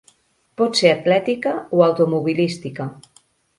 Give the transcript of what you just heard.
Pot ser atlètica o automobilística.